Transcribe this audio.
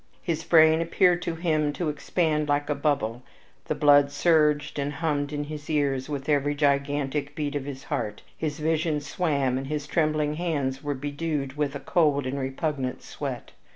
His brain appeared to him to expand like a bubble, the blood surged and hummed in his ears with every gigantic beat of his heart, his vision swam, and his trembling hands were bedewed with a cold and repugnant sweat.